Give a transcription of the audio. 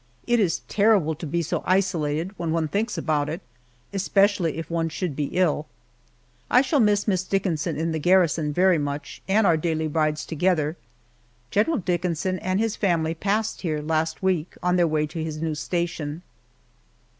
It is terrible to be so isolated, when one thinks about it, especially if one should be ill. I shall miss Miss Dickinson in the garrison very much, and our daily rides together. General Dickinson and his family passed here last week on their way to his new station.